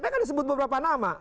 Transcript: di ktp kan disebut beberapa nama